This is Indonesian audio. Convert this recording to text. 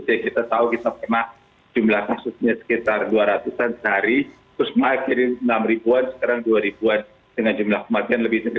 jadi kita tahu kita memang jumlah kasusnya sekitar dua ratus an sehari terus akhirnya enam an sekarang dua an dengan jumlah kematian lebih dari dua puluh